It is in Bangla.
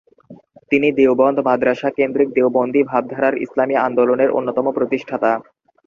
তিনি দেওবন্দ মাদ্রাসা কেন্দ্রিক দেওবন্দি ভাবধারার ইসলামি আন্দোলনের অন্যতম প্রতিষ্ঠাতা।